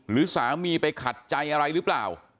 หรือสามีไปขัดใจอะไรหรือเปล่า